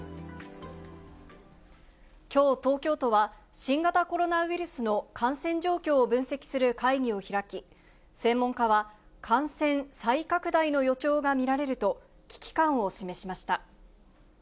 きょう、東京都は新型コロナウイルスの感染状況を分析する会議を開き、専門家は、感染再拡大の予兆が見られると、危機感を示しました。